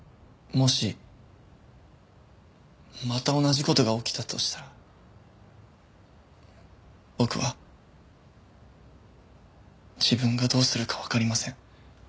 もしまた同じ事が起きたとしたら僕は自分がどうするかわかりません。